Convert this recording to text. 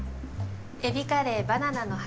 えびカレーバナナの葉